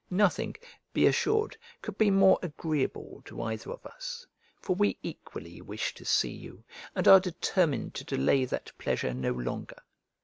Nothing, be assured, could be more agreeable to either of us; for we equally wish to see you, and are determined to delay that pleasure no longer.